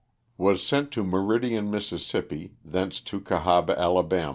Was sent to Meridian, Miss., thence to Cahaba, Ala.